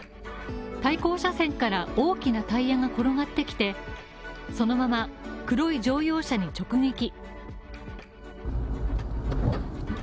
対向車線から大きなタイヤが転がってきてそのまま黒い乗用車に直撃。